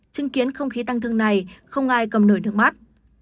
chứng kiến không khí tăng thương này không ai cầm nổi nước mắt